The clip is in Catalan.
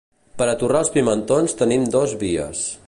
Per a torrar els pimentons tenim dos vies.